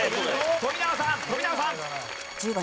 富永さん富永さん！